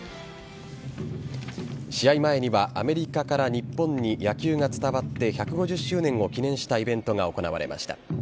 試合前には、アメリカから日本に野球が伝わって１５０周年を記念したイベントが行われました。